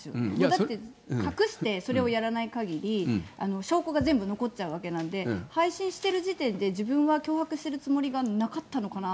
だって隠してそれをやらないかぎり、証拠が全部残っちゃうわけなんで、配信してる時点で、自分は脅迫してるつもりがなかったのかなと。